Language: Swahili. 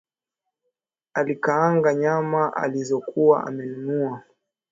Alikaanga nyama alizokuwa amenunua